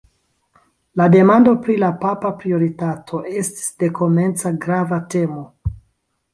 La demando pri la papa prioritato estis dekomenca grava temo.